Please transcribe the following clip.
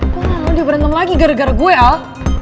wah mau dia berantem lagi gara gara gue al